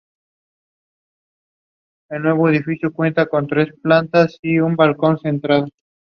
La mayoría son heridos de la Guerra Civil.